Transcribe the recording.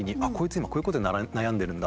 今こういうことで悩んでるんだ。